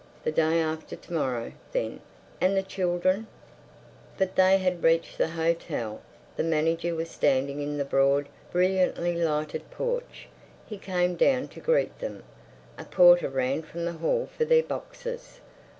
The day after to morrow, then. And the children—" But they had reached the hotel. The manager was standing in the broad, brilliantly lighted porch. He came down to greet them. A porter ran from the hall for their boxes.